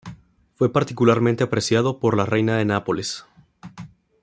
Fue particularmente apreciado por la reina de Nápoles.